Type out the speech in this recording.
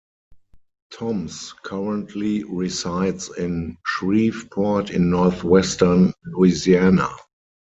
Toms currently resides in Shreveport in northwestern Louisiana.